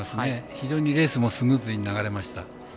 非常にレースもスムーズに流れました。